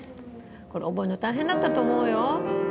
これ覚えるの大変だったと思うよ。